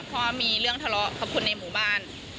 ก็มีเรื่องทะเลาะกับคนในหมู่บ้าน